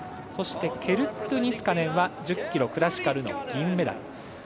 そしてケルットゥ・ニスカネンは１０ｋｍクラシカルの銀メダル。